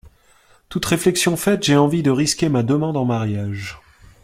Toute réflexion faite, j’ai envie de risquer ma demande en mariage.